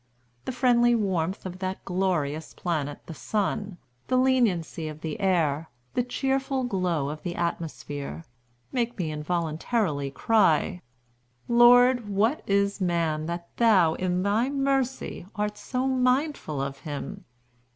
The friendly warmth of that glorious planet the sun, the leniency of the air, the cheerful glow of the atmosphere, make me involuntarily cry, 'Lord, what is man, that thou, in thy mercy, art so mindful of him?